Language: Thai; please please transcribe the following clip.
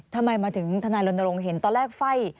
ทำไมมาถึงทนายรณรงค์เห็นตอนแรกไฟ่